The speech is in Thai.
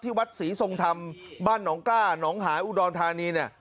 วัดศรีทรงธรรมบ้านหนองกล้าหนองหายอุดรธานีเนี่ย